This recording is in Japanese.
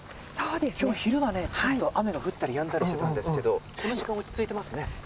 今日、昼は雨が降ったりやんだりしていたんですがこの時間は落ち着いてますね。